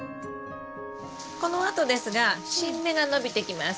このあとですが新芽が伸びてきます。